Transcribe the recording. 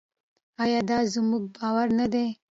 آیا دا زموږ باور نه دی؟